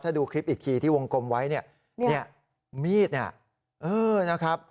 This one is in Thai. ถ้าดูคลิปอีกทีที่วงกลมไว้เนี่ยมีดเนี่ยเออนะครับ